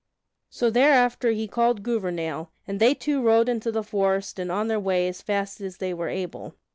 So thereafter he called Gouvernail, and they two rode into the forest and on their way as fast as they were able.